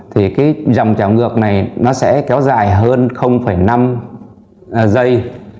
thì dòng trào ngược này sẽ kéo dài hơn năm giây